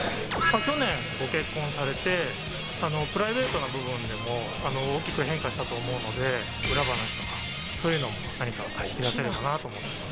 去年ご結婚されてプライベートな部分でも大きく変化したと思うので裏話とかそういうのも何か聞き出せればなと思っています。